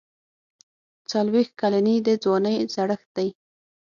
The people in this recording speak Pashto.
څلوېښت کلني د ځوانۍ زړښت دی.